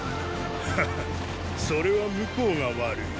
はっはそれは向こうが悪い。